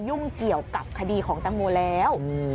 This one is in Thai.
ยุ่งเกี่ยวกับคดีของตังโมแล้ว